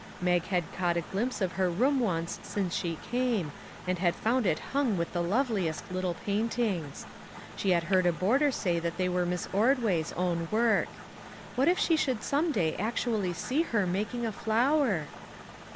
Mag had caught a glimpse of her room once since she came, and had found it hung with the loveliest little paintings! She had heard a boarder say that they were Miss Ord way's own work. What if she should some day actually see her making a flower